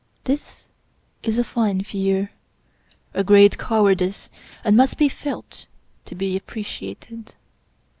This is a fine Fear — sl great cowardice, and must be felt to be appreciated.